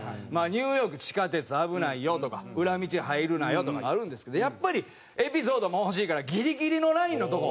ニューヨーク地下鉄危ないよとか裏道入るなよとかあるんですけどやっぱりエピソードも欲しいからギリギリのラインのとこ。